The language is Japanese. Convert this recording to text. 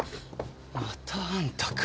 またあんたか。